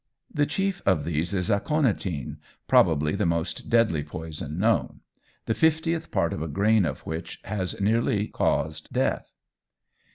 The chief of these is aconitine probably the most deadly poison known the fiftieth part of a grain of which has nearly caused death.